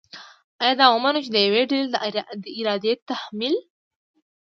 آیا دا ومنو چې د یوې ډلې د ارادې تحمیل